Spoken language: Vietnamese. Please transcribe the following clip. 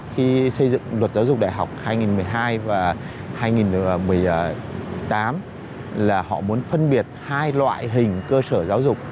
khi xây dựng luật giáo dục đại học hai nghìn một mươi hai và hai nghìn một mươi tám là họ muốn phân biệt hai loại hình cơ sở giáo dục